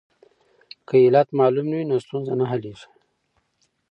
که علت معلوم نه وي نو ستونزه نه حلیږي.